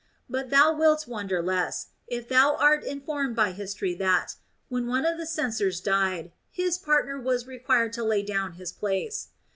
But thou wilt wonder less, if thou art informed by history that, when one of the censors died, his partner was required to lay down his place.